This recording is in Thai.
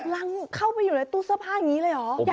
ยังเข้าไปอยู่ในตู้เสื้อผ้าอย่างนี้เลยเหรอ